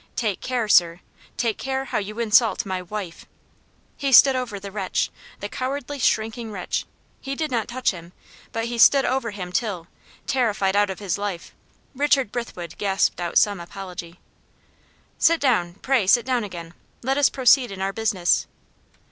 "Take care, sir; take care how you insult my WIFE!" He stood over the wretch the cowardly shrinking wretch he did not touch him, but he stood over him till, terrified out of his life, Richard Brithwood gasped out some apology. "Sit down pray sit down again. Let us proceed in our business."